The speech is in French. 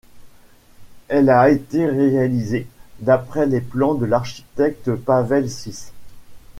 Elle a été réalisée d'après les plans de l'architecte Pavel Sýs.